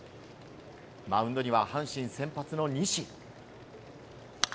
マウンドには阪神先発の西。